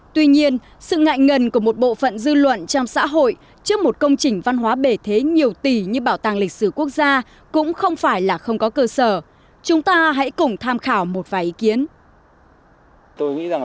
tuy nhiên sự ngại ngần của một bộ phận dư luận trong xã hội trước một công trình văn hóa bể thế nhiều tỷ như bảo tàng lịch sử quốc gia là khá dễ hiểu